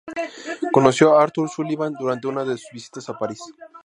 Conoció a Arthur Sullivan durante una de sus visitas a París.